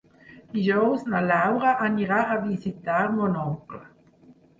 Dijous na Laura anirà a visitar mon oncle.